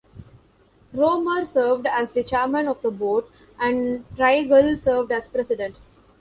Roemer served as the chairman of the board and Traigle served as president.